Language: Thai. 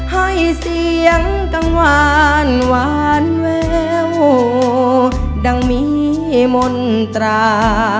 ให้เสียงกังวานหวานแววดังมีมนตรา